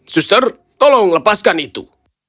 sister tolong lepaskan itu